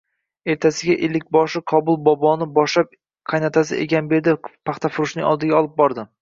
Ertasiga ellikboshi Qobil boboni boshlab qaynatasiegamberdi paxtafurushning oldiga olib bordi